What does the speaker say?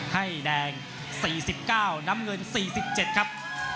ให้แดง๔๙น้ำเงิน๔๗ครับ